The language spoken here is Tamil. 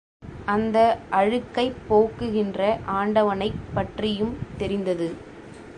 அந்த அழுக்கைப் போக்குகின்ற ஆண்டவனைப் பற்றியும் தெரிந்தது.